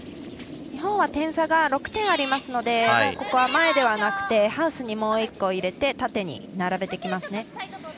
日本は点差が６点ありますのでここは前ではなくてハウスにもう１個入れて縦に並べてきます。